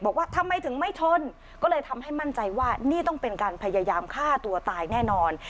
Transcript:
บอกว่าทำไมถึงไม่ชนก็เลยทำให้มั่นใจว่านี่ต้องเป็นการพยายามฆ่าตัวตายแน่นอน